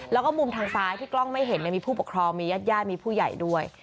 แล้วก็มุมทางซ้ายที่กล้องไม่เห็นมีผู้ปกครองมีญาติญาติมีผู้ใหญ่ด้วย